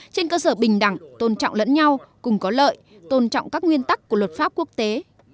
trên cơ sở bình đẳng tôn trọng lẫn nhau cùng có lợi tôn trọng các nguyên tắc của luật pháp quốc tế